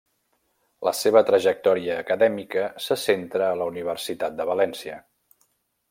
La seva trajectòria acadèmica se centra a la Universitat de València.